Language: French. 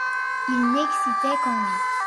Ils n'excitaient qu'envie.